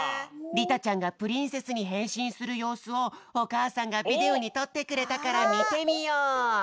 りたちゃんがプリンセスにへんしんするようすをおかあさんがビデオにとってくれたからみてみよう。